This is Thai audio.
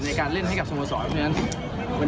ในการเล่นให้กับสมสอบดังนั้นวันนี้สุดยอดเพื่อน